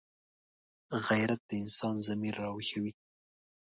غیرت د انسان ضمیر راویښوي